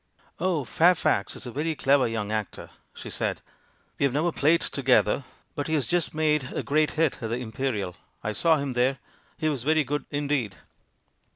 " 'Oh, Fairfax is a very clever young actor!' she said ; 'we've never played together, but he has 62 THE MAN WHO UNDERSTOOD WOMEN just made a great hit at the Imperial; I saw him there; he was very good indeed.'